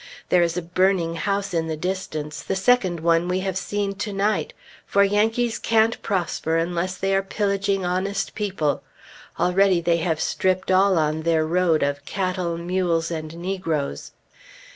There is a burning house in the distance, the second one we have seen to night. For Yankees can't prosper unless they are pillaging honest people. Already they have stripped all on their road of cattle, mules, and negroes.